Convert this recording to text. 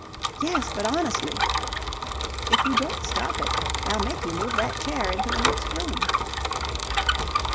"Yes, but honestly..." "If you don't stop it, I'll make you move that chair into the next room."